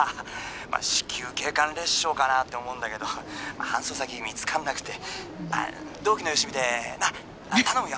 「まあ子宮頸管裂傷かなって思うんだけど搬送先見つからなくて」「同期のよしみでなっ頼むよ」